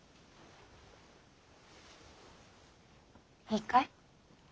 いいかい？